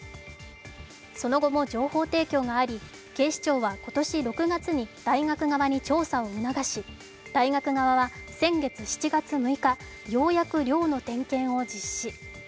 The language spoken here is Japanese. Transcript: その後も情報提供があり、警視庁は今年６月に大学側に調査を促し大学側は先月７月６日ようやく寮の点検を実施。